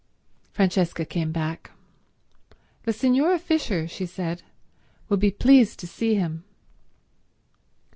Francesca came back. "The Signora Fisher," she said, "will be pleased to see him."